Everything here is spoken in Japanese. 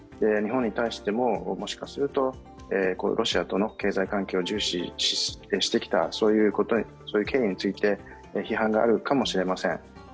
日本に対してももしかするとロシアとの経済関係を重視してきた、そういう懸念について批判があるかもしれません。